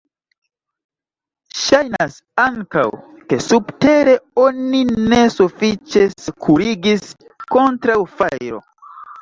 Ŝajnas ankaŭ, ke subtere oni ne sufiĉe sekurigis kontraŭ fajro.